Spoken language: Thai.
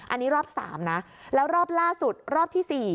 อันนี้รอบ๓นะแล้วรอบล่าสุดรอบที่๔